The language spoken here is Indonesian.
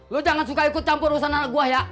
lo jangan suka ikut campur usaha anak gue ya